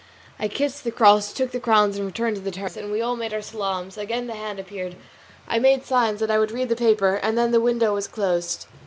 I kissed the cross, took the crowns and returned to the terrace, and we all made our salaams; again the hand appeared, I made signs that I would read the paper, and then the window was closed.